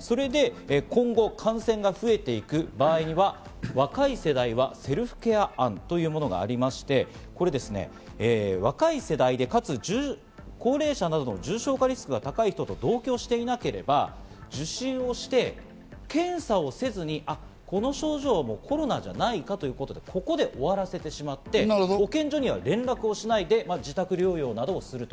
それで今後、感染が増えていく場合には、若い世代はセルフケア案というものがありまして、これ、若い世代で、かつ高齢者などの重症化リスクが高い人と同居していなければ、受診をして検査をせずに、この症状はコロナじゃないかということで、もうここで終わらせてしまって保健所には連絡をしないで自宅療養などをする。